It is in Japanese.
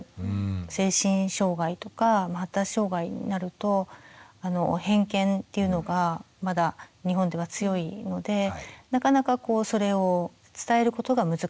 精神障害とか発達障害になると偏見っていうのがまだ日本では強いのでなかなかこうそれを伝えることが難しい。